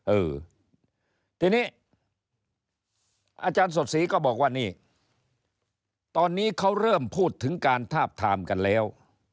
เออทีนี้อาจารย์สดศรีก็บอกว่านี่ตอนนี้เขาเริ่มพูดถึงการทาบทามกันแล้ว